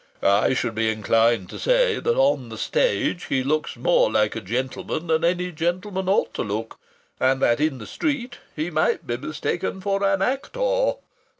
I should be inclined to say that on the stage he looks more like a gentleman than any gentleman ought to look, and that in the street he might be mistaken for an actor....